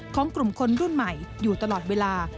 ของกลุ่มคนรุ่นใหม่อยู่ตลอดเวลา